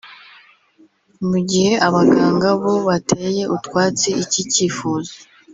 mu gihe abaganga bo bateye utwatsi iki cyifuzo